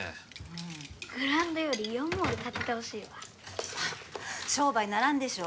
うんグラウンドよりイオンモール建ててほしいわ商売にならんでしょ